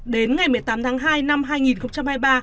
đến ngày một mươi tám tháng hai năm hai nghìn hai mươi ba